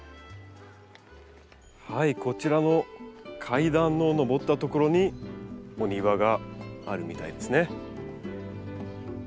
はいこちらの階段を上った所にお庭があるみたいですね。